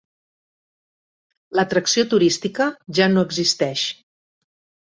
L"atracció turística ja no existeix.